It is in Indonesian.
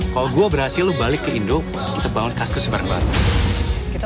kalau gue berhasil lo balik ke indo kita bangun kaskus bareng bareng